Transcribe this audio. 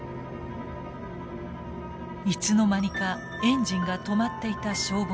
いつの間にかエンジンが止まっていた消防車。